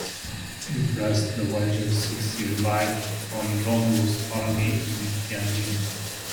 Empress Dowager Cixi relied on Ronglu's army in Tianjin.